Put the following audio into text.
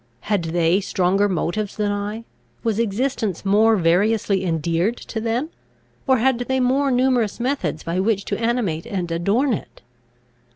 Had they stronger motives than I? Was existence more variously endeared to them? or had they more numerous methods by which to animate and adorn it?